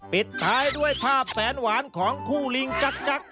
ปิดท้ายด้วยภาพแสนหวานของคู่ลิงจักร